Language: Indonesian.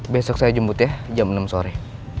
besok saya jemput ya jam enam sore